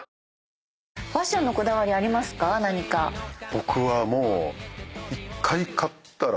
僕はもう。